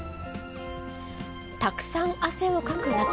たくさん汗をかく夏。